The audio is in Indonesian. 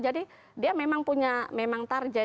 jadi dia memang punya target